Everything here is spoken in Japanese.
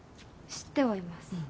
知ってはいます。